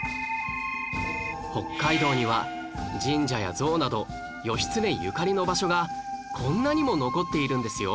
北海道には神社や像など義経ゆかりの場所がこんなにも残っているんですよ